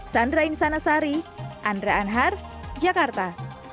sandrain sanasari andre anhar jakarta